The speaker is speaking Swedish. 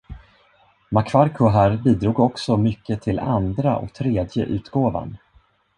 Macfarquhar bidrog också mycket till andra och tredje utgåvan.